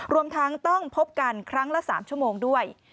รวมทั้งต้องพบกันครั้งละ๓ชั่วโมงด้วย